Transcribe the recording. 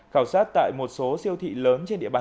khảo sát tại một số siêu thị lớn trên địa bàn